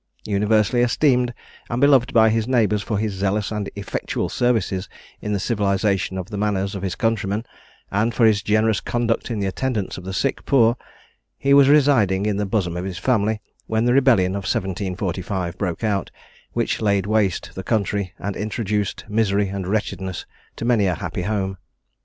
Universally esteemed, and beloved by his neighbours for his zealous and effectual services in the civilisation of the manners of his countrymen, and for his generous conduct in the attendance of the sick poor, he was residing in the bosom of his family, when the rebellion of 1745 broke out, which laid waste the country, and introduced misery and wretchedness to many a happy home.